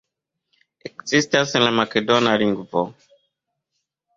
Ekzistas en la makedona lingvo.